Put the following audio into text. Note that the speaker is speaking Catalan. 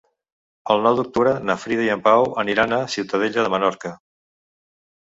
El nou d'octubre na Frida i en Pau aniran a Ciutadella de Menorca.